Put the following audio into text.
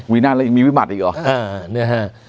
วินาศแล้วยังมีวิบัติอีกหรอ